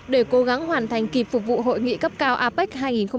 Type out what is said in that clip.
để cố gắng hoàn thành kịp phục vụ hội nghị cấp cao apec hai nghìn một mươi bảy